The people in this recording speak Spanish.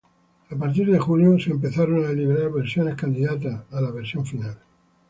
A partir de julio, se empezaron a liberar versiones candidatas a la versión final.